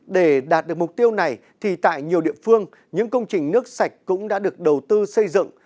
để đạt được mục tiêu này thì tại nhiều địa phương những công trình nước sạch cũng đã được đầu tư xây dựng